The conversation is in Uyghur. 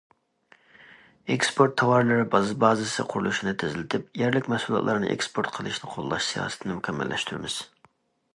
ئېكسپورت تاۋارلىرى بازىسى قۇرۇلۇشىنى تېزلىتىپ، يەرلىك مەھسۇلاتلارنى ئېكسپورت قىلىشنى قوللاش سىياسىتىنى مۇكەممەللەشتۈرىمىز.